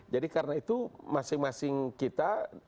jadi karena itu masing masing kita